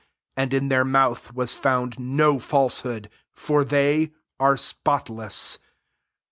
5 And in their mouth was found no falsehood: [for] they are spotless.